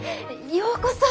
ようこそ。